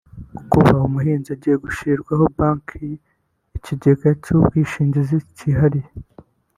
Kuba umuhinzi agiye gushyirirwaho Banki n’ikigega cy’ubwishingizi cyihariye